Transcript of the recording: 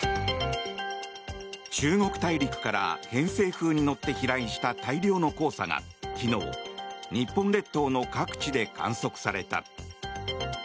中国大陸から偏西風に乗って飛来した大量の黄砂が昨日、日本列島の各地で観測された。